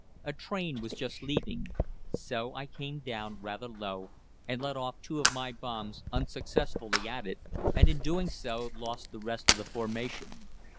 A train was just leaving. So I came down rather low and let off two of my bombs unsuccessfully at it, and in doing so lost the rest of the formation.